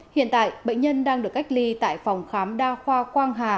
hiện tại bệnh nhân đang được cách ly tại phòng khám đa khoa quang hà